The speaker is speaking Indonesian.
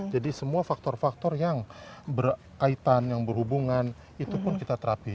jadi semua faktor faktor yang berkaitan yang berhubungan itu pun kita terapi